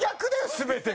全てが。